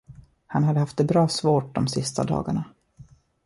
Han hade haft det bra svårt de sista dagarna.